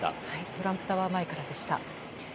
トランプタワー前からでした。